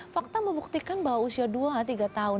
fakta membuktikan bahwa usia dua tiga tahun